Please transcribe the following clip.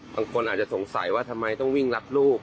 บางคนอาจจะสงสัยว่าทำไมต้องวิ่งรับลูก